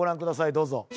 どうぞ。